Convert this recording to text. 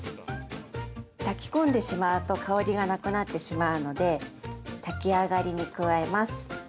◆炊き込んでしまうと、香りがなくなってしまうので炊き上がりに加えます。